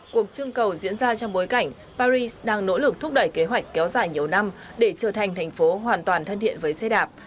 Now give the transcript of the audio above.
cuộc trưng cầu diễn ra trong bối cảnh paris đang nỗ lực thúc đẩy kế hoạch kéo dài nhiều năm để trở thành thành phố hoàn toàn thân thiện với xe đạp